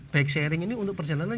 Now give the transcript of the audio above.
bike sharing ini untuk perjalanan